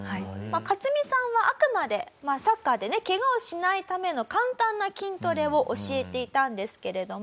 カツミさんはあくまでサッカーでねケガをしないための簡単な筋トレを教えていたんですけれども。